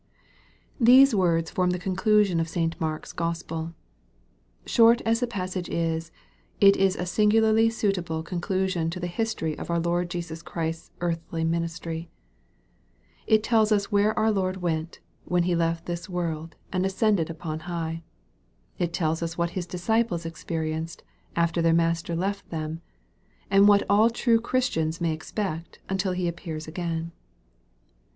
THESE words form the conclusion of St. Mark's Gospel. Short as the passage is, it is a singularly suitable con clusion to the history of our Lord Jesus Christ's earthly ministry. It tells us where our Lord went, when He left this world, and ascended up on high. It tells us what His disciples experienced after their Master left them, and what all true Christians may expect until He appears again.